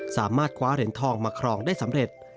สามารถคว้าเหรียญทองมาครองได้สำเร็จ